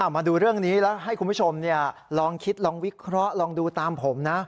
มาดูเรื่องนี้แล้วให้คุณผู้ชมลองคิดลองวิเคราะห์ลองดูตามผมนะ